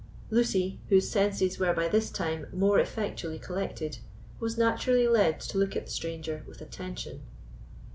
Lucy, whose senses were by this time more effectually collected, was naturally led to look at the stranger with attention.